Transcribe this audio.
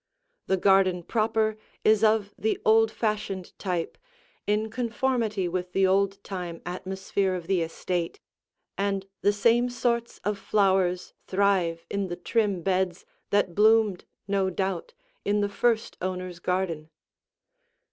The garden proper is of the old fashioned type, in conformity with the old time atmosphere of the estate, and the same sorts of flowers thrive in the trim beds that bloomed no doubt in the first owner's garden.